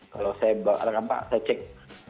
kalau saya cek dua ribu enam belas